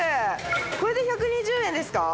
これで１２０円ですか？